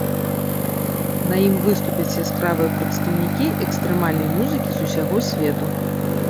На ім выступяць яскравыя прадстаўнікі экстрэмальнай музыкі з усяго свету.